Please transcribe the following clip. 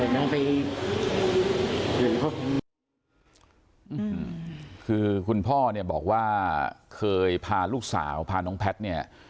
น้องไปคือคุณพ่อเนี่ยบอกว่าเคยพาลูกสาวพาน้องแพทย์เนี่ย